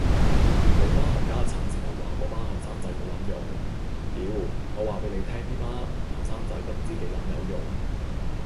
你班冚家剷成日話果班後生仔冇撚用，屌，我話俾你聽呢班後生仔不知幾撚有用